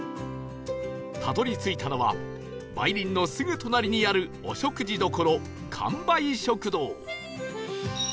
たどり着いたのは梅林のすぐ隣にあるお食事どころ